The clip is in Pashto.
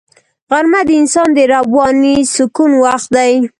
غرمه د انسان د رواني سکون وخت دی